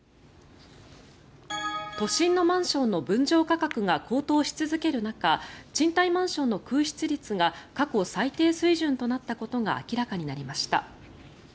都心のマンションの分譲価格が高騰し続ける中賃貸マンションの空室率が過去最低水準となったことが明らかになりました。